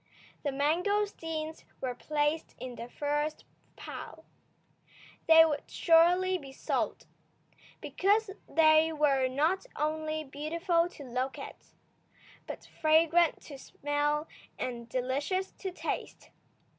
The mangosteens were placed in the first pile. They would surely be sold, because they were not only beautiful to look at, but fragrant to smell and delicious to taste.